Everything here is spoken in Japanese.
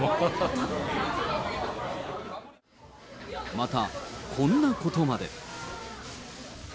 また、こんなことまで。